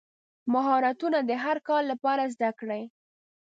مهارتونه د هر کار لپاره زده کړئ.